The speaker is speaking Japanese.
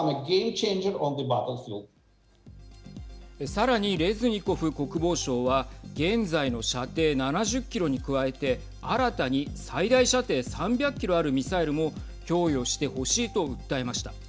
さらに、レズニコフ国防相は現在の射程７０キロに加えて新たに最大射程３００キロあるミサイルも供与してほしいと訴えました。